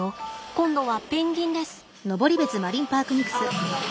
今度はペンギンです。